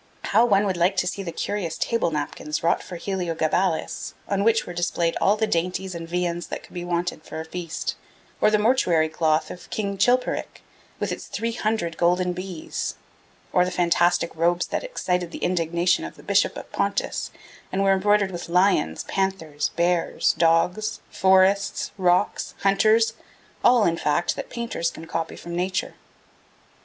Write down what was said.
How one would like to see the curious table napkins wrought for Heliogabalus, on which were displayed all the dainties and viands that could be wanted for a feast; or the mortuary cloth of King Chilperic, with its three hundred golden bees; or the fantastic robes that excited the indignation of the Bishop of Pontus, and were embroidered with 'lions, panthers, bears, dogs, forests, rocks, hunters all, in fact, that painters can copy from nature.'